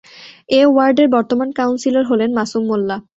এ ওয়ার্ডের বর্তমান কাউন্সিলর হলেন মাসুম মোল্লা।